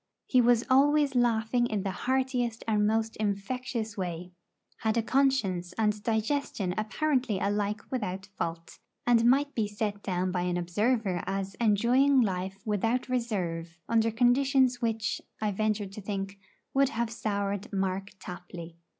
He was always laughing in the heartiest and most infectious way; had a conscience and digestion apparently alike without fault, and might be set down by an observer as enjoying life without reserve under conditions which, I venture to think, would have soured Mark Tapley.